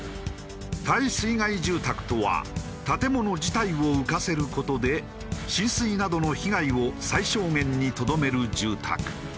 耐水害住宅とは建物自体を浮かせる事で浸水などの被害を最小限にとどめる住宅。